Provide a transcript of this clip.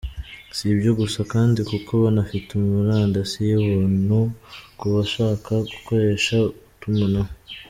Si ibyo gusa kandi kuko banafite murandasi y’ubuntu ku bashaka gukoresha utumanaho.